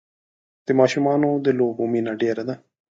د ماشومان د لوبو مینه ډېره ده.